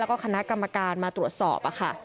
และคณะกรรมการมาตรวจสอบ